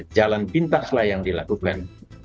jalan pintaslah yang dilakukan